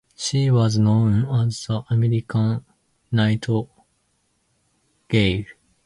She was known as the American Nightingale.